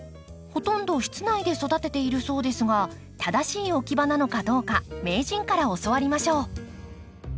ほとんど室内で育てているそうですが正しい置き場なのかどうか名人から教わりましょう。